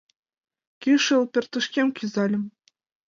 Кӱшыл пӧртышкем кӱзальым